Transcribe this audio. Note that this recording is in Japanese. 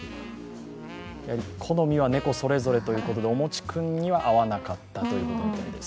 好みは猫それぞれということで、おもち君には合わなかったということみたいです。